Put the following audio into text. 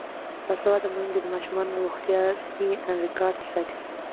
باسواده میندې د ماشومانو روغتیايي ریکارډ ساتي.